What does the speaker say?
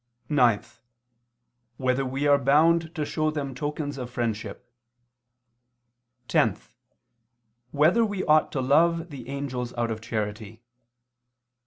(9) Whether we are bound to show them tokens of friendship? (10) Whether we ought to love the angels out of charity?